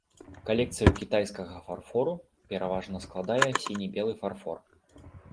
Калекцыю кітайскага фарфору пераважна складае сіне-белы фарфор.